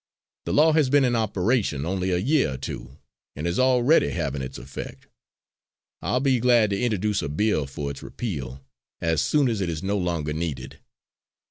The law has been in operation only a year or two, and is already having its effect. I'll be glad to introduce a bill for its repeal, as soon as it is no longer needed.